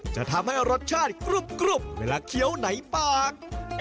จะทำให้รสชาติกรุบเวลาเคี้ยวไหนปาก